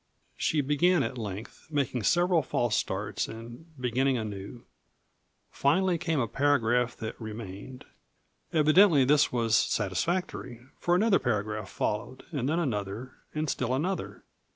She began at length, making several false starts and beginning anew. Finally came a paragraph that remained. Evidently this was satisfactory, for another paragraph followed; and then another, and still another.